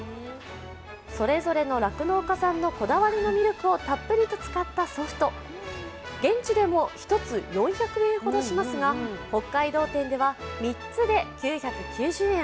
それぞれの酪農家さんのこだわりのミルクをたっぷり使ったソフトは現地でも１つ４００円ほどしますが、北海道展では３つで９９０円。